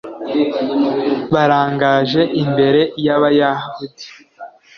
barangaje imbere y'abayahudi